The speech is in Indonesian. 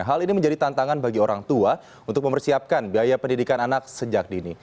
hal ini menjadi tantangan bagi orang tua untuk mempersiapkan biaya pendidikan anak sejak dini